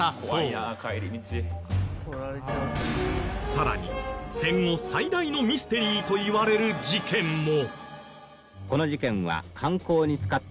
さらに戦後最大のミステリーといわれる事件も。